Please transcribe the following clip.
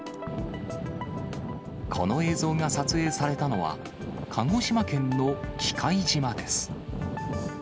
この映像が撮影されたのは、鹿児島県の喜界島です。